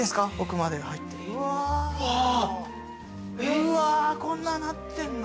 うわこんななってんの？